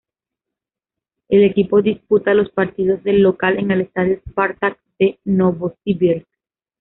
El equipo disputa los partidos de local en el estadio Spartak de Novosibirsk.